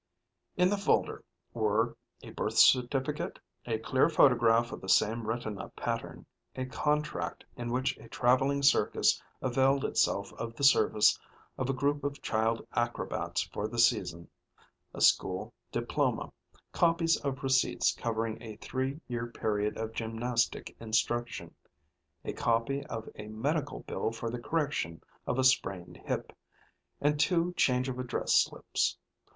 In the folder were a birth certificate, a clear photograph of the same retina pattern, a contract in which a traveling circus availed itself of the service of a group of child acrobats for the season, a school diploma, copies of receipts covering a three year period of gymnastic instruction, a copy of a medical bill for the correction of a sprained hip, and two change of address slips.